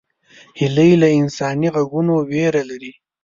هیلۍ له انساني غږونو ویره لري